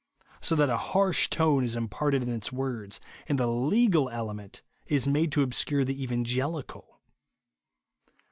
So that a harsh tone is imparted in its words, and the legal element is made to obscure the evangeli cal.